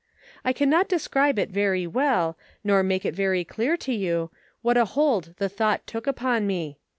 I can not describe it very well, nor make very clear to you, what a hold the thought took upon me.